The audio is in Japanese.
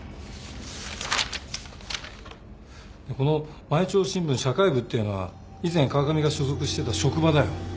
この「毎朝新聞社会部」っていうのは以前川上が所属してた職場だよ。